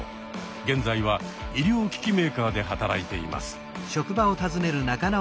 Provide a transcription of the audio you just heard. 現在は医療機器メーカーで働いています。